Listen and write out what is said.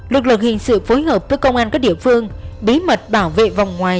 luật lực hình sự phối hợp với công an các địa phương bí mật bảo vệ vòng ngoài